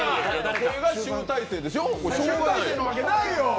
これが集大成でしょう？